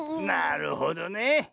なるほどね。